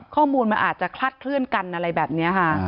ข้อมูลมันอาจจะคลาดเคลื่อนกันอะไรแบบนี้ค่ะ